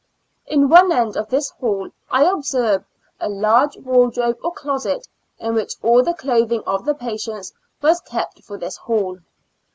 In one end of this hall, I observed a large wardrobe or closet, in which all the clothing of the patients was kept for this hall.